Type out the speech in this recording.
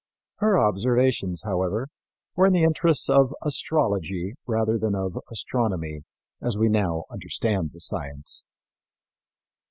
Her observations, however, were in the interests of astrology rather than of astronomy, as we now understand the science.